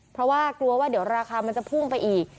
เพราะว่ากลัวว่าเดี๋ยวราคามันจะพุ่งไปอีก